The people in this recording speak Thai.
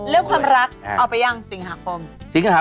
เรื่องความรักเอาไปยังสิงหาคม